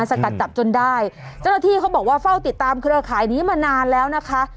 สกัดจับจนได้เจ้าหน้าที่เขาบอกว่าเฝ้าติดตามเครือข่ายนี้มานานแล้วนะคะ